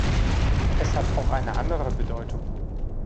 Es hat auch eine andere Bedeutung.